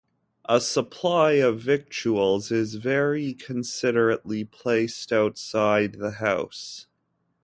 A supply of victuals is very considerately placed outside the house.